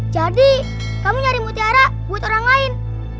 jadi kamu nyari putih arah buat orang lain